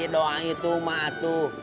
doa itu matuh